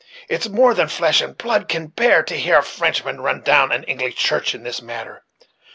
It's more than flesh and blood can bear to hear a Frenchman run down an English church in this manner.